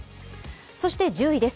そして１０位です。